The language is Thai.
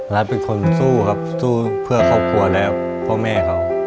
เป็นคนสู้ครับสู้เพื่อครอบครัวและพ่อแม่เขา